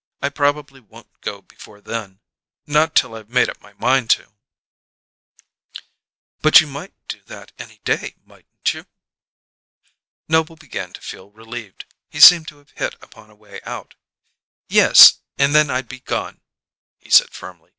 I probably won't go before then; not till I've made up my mind to." "But you might do that any day, mightn't you?" Noble began to feel relieved; he seemed to have hit upon a way out. "Yes; and then I'd be gone," he said firmly.